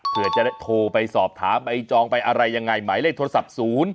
เพื่อจะโทรไปสอบถามไปจองไปอะไรยังไงหมายเลขโทรศัพท์๐